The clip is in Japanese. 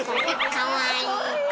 かわいい！